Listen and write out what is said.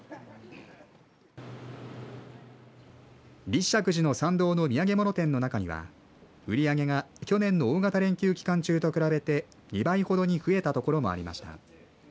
立石寺の参道の土産物店の中には売り上げが去年の大型連休期間中と比べて２倍ほどに増えたところもありました。